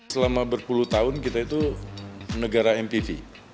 selama berpuluh tahun kita itu negara mpv